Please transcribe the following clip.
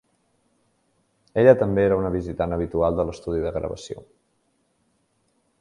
Ella també era una visitant habitual de l'estudi de gravació.